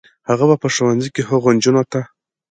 هغه به په ښوونځي کې هغو نجونو ته